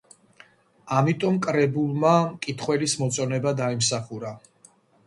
ამიტომ კრებულმა მკითხველის მოწონება დაიმსახურა.